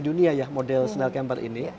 dunia ya model snail camper ini